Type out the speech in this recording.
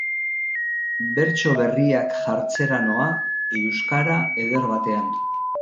Bertso berriak jartzera noa euskara eder batean.